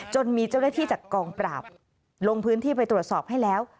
มีเจ้าหน้าที่จากกองปราบลงพื้นที่ไปตรวจสอบให้แล้ว